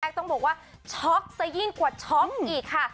ต้องบอกว่าช็อกซะยิ่งกว่าช็อกอีกค่ะ